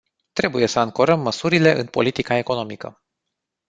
Trebuie să ancorăm măsurile în politica economică.